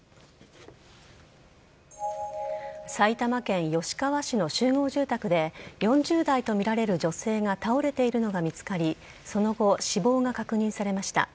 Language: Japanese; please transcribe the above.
埼玉県吉川市の集合住宅で４０代とみられる女性が倒れているのが見つかりその後、死亡が確認されました。